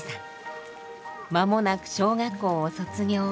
間もなく小学校を卒業。